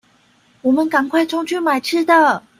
我們趕快衝去買吃的